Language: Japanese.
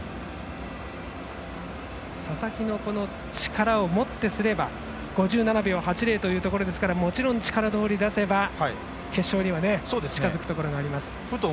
佐々木の力を持ってすれば５７秒８０というところなのでもちろん、力どおり出せば決勝には近づくところがあります。